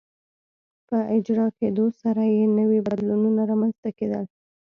په اجرا کېدو سره یې نوي بدلونونه رامنځته کېدل.